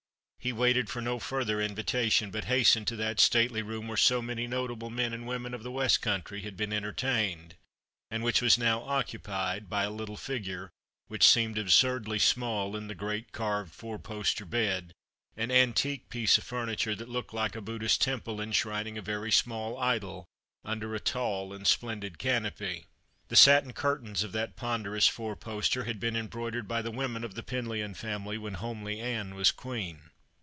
He waited for no further in^itation, but hastened to that stately room where so many notable men and women of the AVest country had been entertained, and which was now occupied by a little figure which seemed absurdly small in the great carved four post bed, an antique piece of furniture that looked like a Buddhist temple enshrining a very small idol under a tall and splendid canopy. The satin curtains of that ponderous four poster had been embroidered by the women of the Penlyon family when homely Anne was queen.